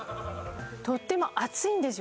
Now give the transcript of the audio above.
とっても熱いんですよ